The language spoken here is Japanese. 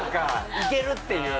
「いける！」っていう時に。